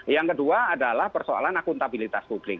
yang kedua adalah persoalan akuntabilitas publik